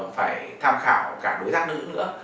phải tham khảo cả đối tác nữ nữa